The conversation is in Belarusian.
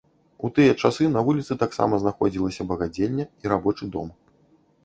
У тыя часы на вуліцы таксама знаходзілася багадзельня і рабочы дом.